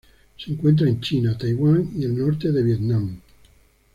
Se encuentra en China, Taiwán y el norte de Vietnam.